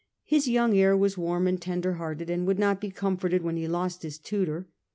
His young heir was warm and tender hearted, and would not be comforted when he had lost his tutor.